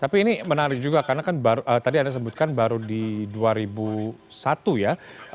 tapi ini menarik juga karena kan tadi anda sebutkan baru di dua ribu satu ya